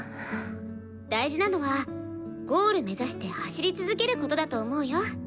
大事なのはゴール目指して走り続けることだと思うよ。